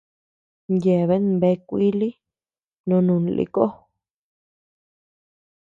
Yeaben bea kuili nóó nun lï koó.